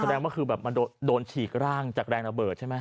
แสดงว่าคือแบบมันโดนฉีกร่างจากแรงระเบิดใช่ไหม